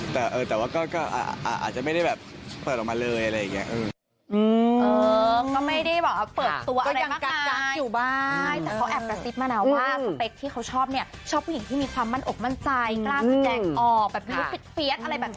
แต่ว่าก็อาจจะไม่ได้แบบเปิดออกมาเลยอะไรอย่างนี้